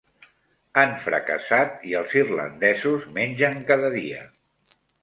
Han fracassat i els irlandesos mengen cada dia.